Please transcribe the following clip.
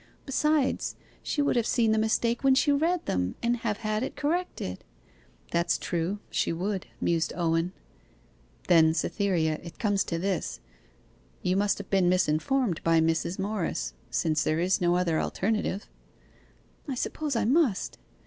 Besides she would have seen the mistake when she read them, and have had it corrected.' 'That's true, she would,' mused Owen. 'Then, Cytherea, it comes to this you must have been misinformed by Mrs. Morris, since there is no other alternative.' 'I suppose I must.